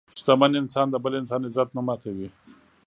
شتمن انسان د بل انسان عزت نه ماتوي.